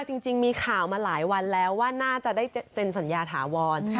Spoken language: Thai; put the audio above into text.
จริงมีข่าวมาหลายวันแล้วว่าน่าจะได้เซ็นสัญญาถาวร